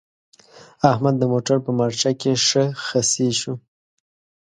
احمد د موټر په مارچه کې ښه خصي شو.